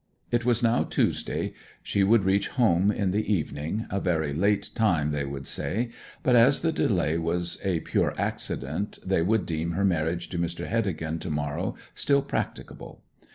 It was now Tuesday; she would reach home in the evening a very late time they would say; but, as the delay was a pure accident, they would deem her marriage to Mr. Heddegan to morrow still practicable.